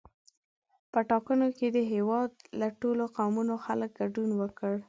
په ټاکنو کې د هېواد له ټولو قومونو خلکو ګډون وکړ.